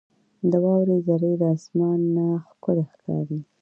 • د واورې ذرې له اسمانه ښکلي ښکاري.